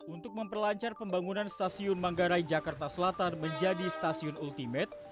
untuk memperlancar pembangunan stasiun manggarai jakarta selatan menjadi stasiun ultimate